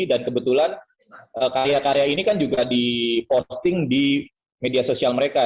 dan kebetulan karya karya ini kan juga diposting di media sosial mereka